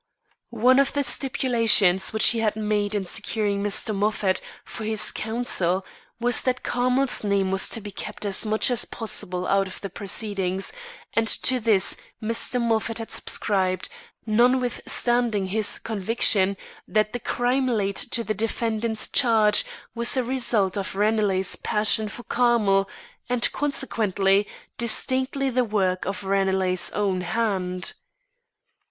One of the stipulations which he had made in securing Mr. Moffat for his counsel was that Carmel's name was to be kept as much as possible out of the proceedings; and to this Mr. Moffat had subscribed, notwithstanding his conviction that the crime laid to the defendant's charge was a result of Ranelagh's passion for Carmel, and, consequently, distinctly the work of Ranelagh's own hand.